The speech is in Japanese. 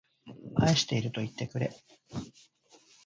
愛しているといってくれ